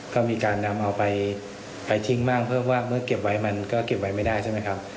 ก็มีการนำเอาไปทิ้งบ้างเพราะว่าเมื่อเก็บไว้มันก็เก็บไว้ไม่ได้ใช่ไหมครับ